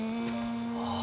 ああ。